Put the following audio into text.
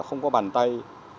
không có bàn tay